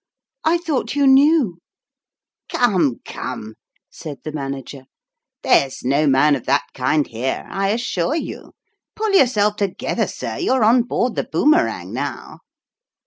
I thought you knew !"" Come, come," said the Manager, " there's no man of that kind here, I assure you. Pull yourself together, sir ; you're on board the Boomerang now